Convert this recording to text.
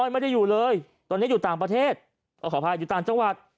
ไม่ได้อยู่เลยตอนนี้อยู่ต่างประเทศก็ขออภัยอยู่ต่างจังหวัด